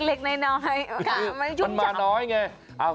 เล็กน้อยมันซุ่มชัมป์